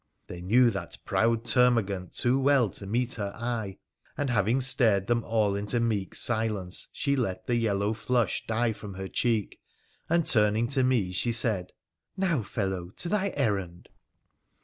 They knew that proud termagant too well to meet her eye, and having stared them all into meek silence she let the yellow flush die from her cheek, and turning to me she said :' Now, fellow, to thy errand.'